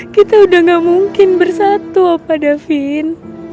kita udah gak mungkin bersatu apa davin